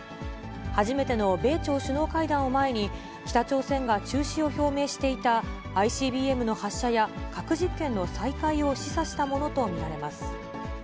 初めての米朝首脳会談を前に、北朝鮮が中止を表明していたＩＣＢＭの発射や、核実験の再開を示唆したものと見られます。